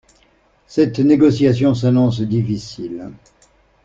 Cette négociation s’annonce difficile.